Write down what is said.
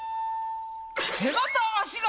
手形足形